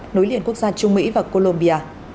nối liền quốc gia trung mỹ